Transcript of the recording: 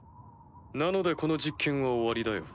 なのでこの実験は終わりだよ。